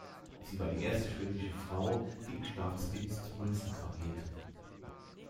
Sie war die erste schwedische Frau, die im Staatsdienst Münzen gravierte.